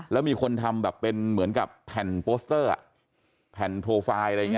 แล้วมีคนทำแบบเป็นเหมือนกับแผ่นโปสเตอร์แผ่นโปรไฟล์อะไรอย่างนี้